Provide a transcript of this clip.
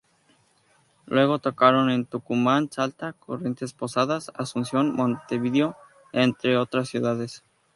Luego tocaron en Tucumán, Salta, Corrientes, Posadas, Asunción, Montevideo, entre otras ciudades.